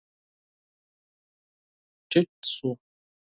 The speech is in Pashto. ټيټ شو.